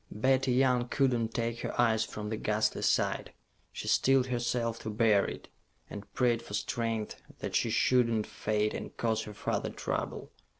Betty Young could not take her eyes from the ghastly sight. She steeled herself to bear it, and prayed for strength that she should not faint and cause her father trouble.